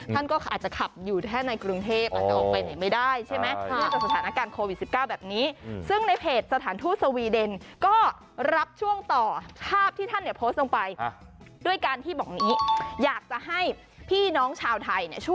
ท่านก็อาจจะขับอยู่แค่ในกรุงเทพอาจจะออกไปไหนไม่ได้ใช่ไหม